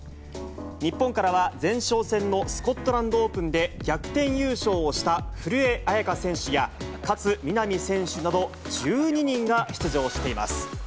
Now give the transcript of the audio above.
日本からは前哨戦のスコットランドオープンで逆転優勝をした古江彩佳選手や、勝みなみ選手など、１２人が出場しています。